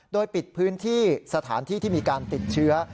โดยปิดพื้นที่สถานที่ที่มีการติดเชื้อ